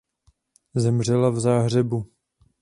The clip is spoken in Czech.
Zemřela v Záhřebu.